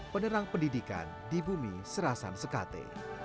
penerang pendidikan di bumi serasan sekate